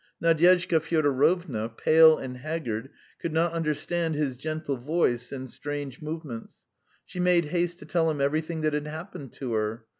Nadyezhda Fyodorovna, pale and haggard, could not understand his gentle voice and strange movements; she made haste to tell him everything that had happened to her.